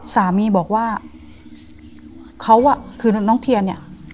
สามีบอกว่าเขาอ่ะคือน้องเทียนเนี่ย